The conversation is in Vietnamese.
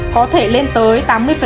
có thể lên tới tám mươi